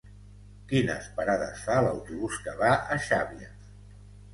Quines parades fa l'autobús que va a Xàbia?